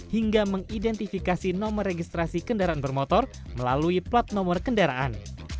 hingga mengidentifikasi nomor registrasi kendaraan bermotor melalui plat nomor kendaraan